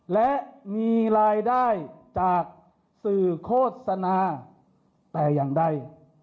และมีรายได้จากสื่อโฆษณาแต่อย่างใด